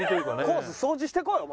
コース掃除してこい！